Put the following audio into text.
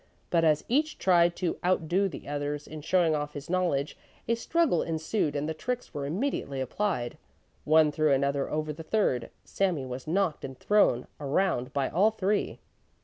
But as each tried to outdo the others in showing off his knowledge, a struggle ensued and the tricks were immediately applied; one threw another over the third, Sami was knocked and thrown around by all three.